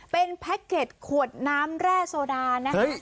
เป็นแพ็คเก็ตขวดน้ำแร่โซดานะคะ